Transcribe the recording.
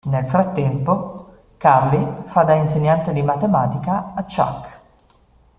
Nel frattempo, Carly fa da insegnante di matematica a Chuck.